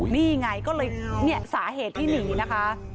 นี่ไงก็เลยเนี่ยสาเหตุที่หนีนะคะ